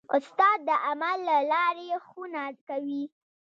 استاد د عمل له لارې ښوونه کوي.